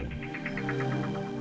kita di gua karim